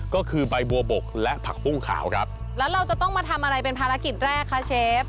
ก็คือใบบัวบกและผักปุ้งขาวครับแล้วเราจะต้องมาทำอะไรเป็นภารกิจแรกคะเชฟ